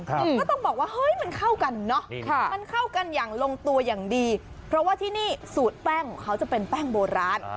ก็ต้องบอกว่าเฮ้ยมันเข้ากันเนอะมันเข้ากันอย่างลงตัวอย่างดีเพราะว่าที่นี่สูตรแป้งของเขาจะเป็นแป้งโบราณ